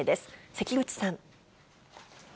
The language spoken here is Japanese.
関口さん。